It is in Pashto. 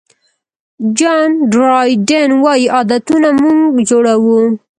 جان ډرایډن وایي عادتونه موږ جوړوي.